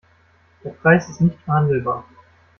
Der Preis ist nicht verhandelbar.